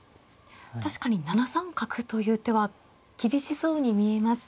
確かに７三角という手は厳しそうに見えます。